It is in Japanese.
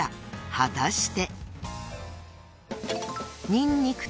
果たして］